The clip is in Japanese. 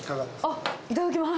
あっ、いただきます。